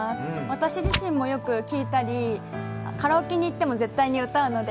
私自身もよく聴いたりカラオケに行っても絶対に歌うので。